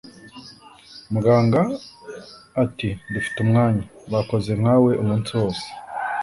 muganga ati dufite umwanya, bakoze nkawe umunsi wose